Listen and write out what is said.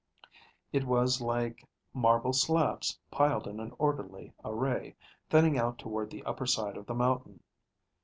It was like marble slabs piled in an orderly array, thinning out toward the upper side of the mountain.